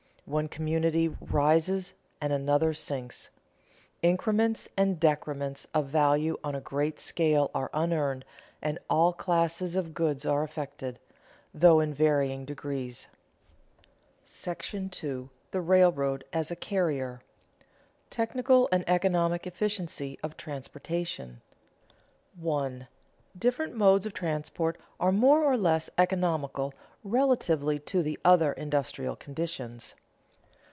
One community rises and another sinks. Increments and decrements of value on a great scale are unearned, and all classes of goods are affected, though in varying degrees. § II. THE RAILROAD AS A CARRIER [Sidenote: Technical vs. economic efficiency of transportation] 1. _Different modes of transport are more or less economical relatively to the other industrial conditions.